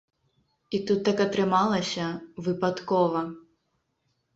І тут так атрымалася, выпадкова.